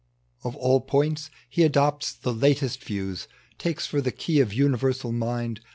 On all points he adopts the latest views ; Takes for the key of universal Mind